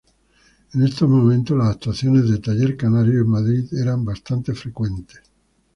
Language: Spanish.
En estos momentos las actuaciones de Taller Canario en Madrid eran bastante frecuentes.